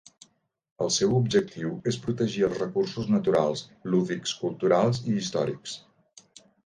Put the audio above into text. El seu objectiu és protegir els recursos naturals, lúdics, culturals i històrics.